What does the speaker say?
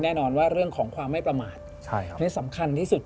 แน่นอนว่าเรื่องของความไม่ประมาทนี่สำคัญที่สุด